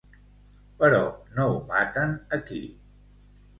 Però no ho maten aquí.